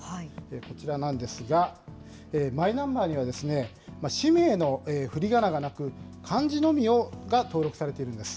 こちらなんですが、マイナンバーには氏名のふりがながなく、漢字のみが登録されているんです。